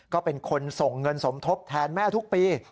ก็เป็นคนส่งเงินสมทบแทนแม่ทุกปี